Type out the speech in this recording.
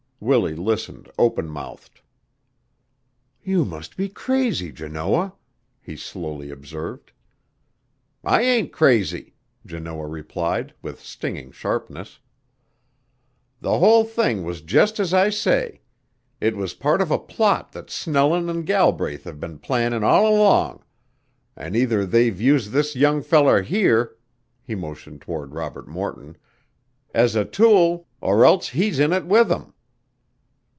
Willie listened, open mouthed. "You must be crazy, Janoah," he slowly observed. "I ain't crazy," Janoah replied, with stinging sharpness. "The whole thing was just as I say. It was part of a plot that Snellin' an' Galbraith have been plannin' all along; an' either they've used this young feller here [he motioned toward Robert Morton] as a tool, or else he's in it with 'em."